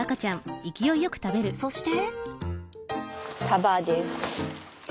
そして？